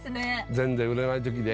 全然売れない時ね